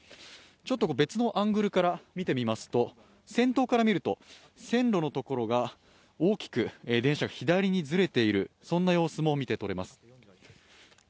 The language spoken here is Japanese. ちょっと別のアングルから見てみますと、先頭から見ると線路の所から電車、大きく左にずれている、そんな様子も見てとれます。